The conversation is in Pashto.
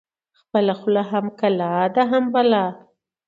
خپله خوله هم کلا ده، هم بلا